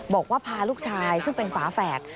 บอกว่าพาลูกชายซึ่งเป็นฝาแฝด